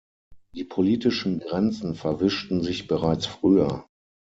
Die politischen Grenzen verwischten sich bereits früher.